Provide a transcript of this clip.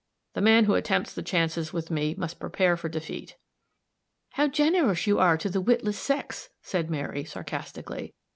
The man who attempts the chances with me must prepare for defeat." "How generous you are to the witless sex," said Mary, sarcastically.